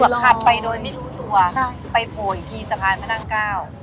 ใช่คือขับไปโดยไม่รู้ตัวไปโผล่อีกทีสะพานพระนางก้าว